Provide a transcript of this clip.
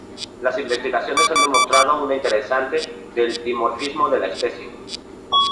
Las investigaciones han mostrado una interesante del dimorfismo de la especie.